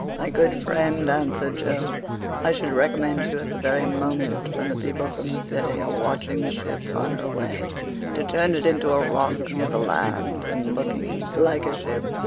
"My good friend," answered Jove, "I should recommend you at the very moment when the people from the city are watching the ship on her way, to turn it into a rock near the land and looking like a ship.